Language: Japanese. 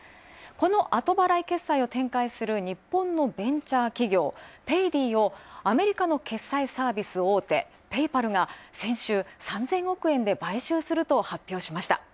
この後払い決済を展開する日本のベンチャー企業、ペイディをアメリカの決済サービス大手ペイパルが先週、３０００億円で買収すると発表しました。